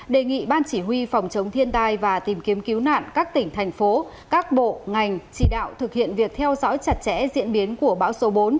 đề nghị ban chỉ huy phòng chống thiên tai và tìm kiếm cứu nạn các tỉnh thành phố các bộ ngành chỉ đạo thực hiện việc theo dõi chặt chẽ diễn biến của bão số bốn